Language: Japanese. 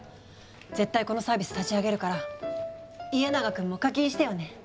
絶対このサービス立ち上げるから家長くんも課金してよね。